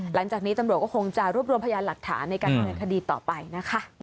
หลังจากนี้ตำรวจก็คงจะรวบรวมพยานหลักฐานในการดำเนินคดีต่อไปนะคะ